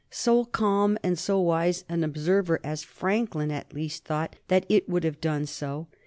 So calm and so wise an observer as Franklin, at least, thought that it would have done so.